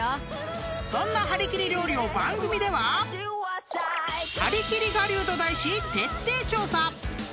［そんなはりきり料理を番組でははりきり我流と題し徹底調査！］